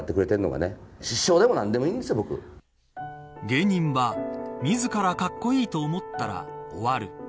芸人は自らかっこいいと思ったら終わる。